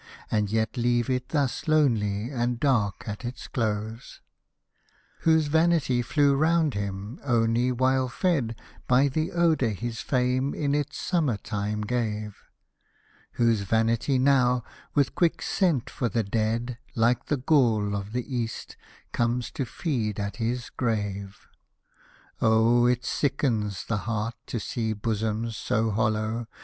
And yet leave it thus lonely and dark at its close :— Whose vanity flew round him, only while fed By the odour his fame in its summer time gave ;— Whose vanity now, with quick scent for the dead Like the Ghole of the East, comes to feed at his grave. Oh I it sickens the heart to see bosoms so hollow.